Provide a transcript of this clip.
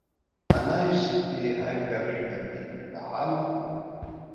Анаҩстәи ажәабжь шәаргьы ишәаҳама?